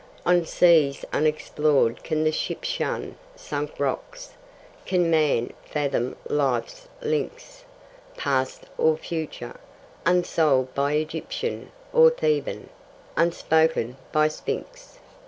On seas unexplored can the ship shun Sunk rocks? Can man fathom life's links, Past or future, unsolved by Egyptian Or Theban, unspoken by Sphynx?